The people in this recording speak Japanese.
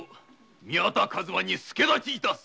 宮田数馬に助太刀いたす！